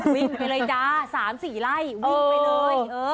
วิ่งไปเลยจ้า๓๔ไร่วิ่งไปเลย